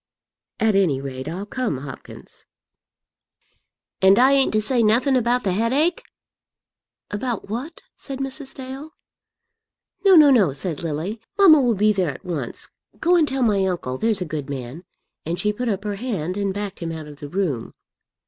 "At any rate, I'll come, Hopkins." "And I ain't to say nothing about the headache?" "About what?" said Mrs. Dale. "No, no, no," said Lily. "Mamma will be there at once. Go and tell my uncle, there's a good man," and she put up her hand and backed him out of the room.